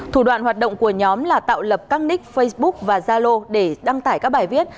thủ đoạn hoạt động của nhóm là tạo lập các nick facebook và zalo để đăng tải các bài viết